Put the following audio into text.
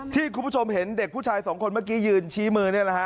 ที่คุณผู้ชมเห็นเด็กผู้ชายสองคนเมื่อกี้ยืนชี้มือนี่แหละฮะ